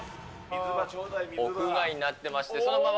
屋外になっていまして、そのまま。